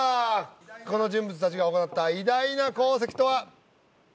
この人物達が行った偉大な功績とは？